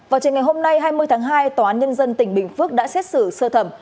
vào chiều ngày hôm nay hai mươi tháng hai tòa án nhân dân tỉnh bình phước đã xét xử sơ thẩm